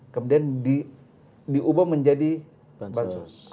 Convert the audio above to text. kemudian diubah menjadi bansos